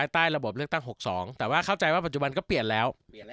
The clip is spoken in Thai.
แต่ตอนนี้มันก็เปลี่ยนแล้ว